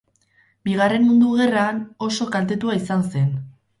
Bigarren Mundu Gerran oso kaltetua izan zen.